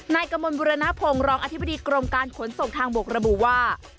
นายกมลบุรณพงศ์รองอธิบดีกรมการขนส่งทางบกระบุว่า